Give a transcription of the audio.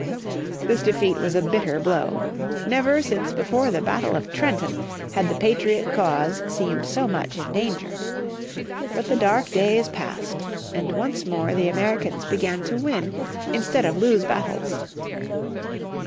This defeat was a bitter blow. Never since before the battle of Trenton had the patriot cause seemed so much in danger. But the dark days passed, and once more the Americans began to win instead of lose battles.